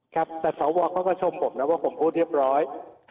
ครับแต่สวเขาก็ชมผมนะว่าผมพูดเรียบร้อย